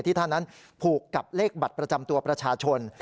ท่านนั้นผูกกับเลขบัตรประจำตัวประชาชน